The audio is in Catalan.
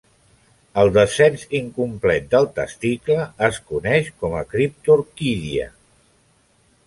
El descens incomplet del testicle es coneix com a criptorquídia.